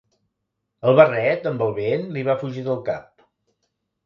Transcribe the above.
El barret, amb el vent, li va fugir del cap.